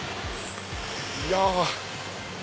いや。